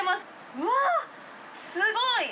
うわー、すごい！